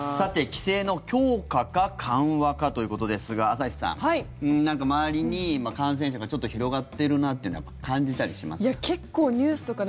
規制の強化か緩和かということですが朝日さんなんか、周りに感染者がちょっと広がっているというのは感じたりしますか？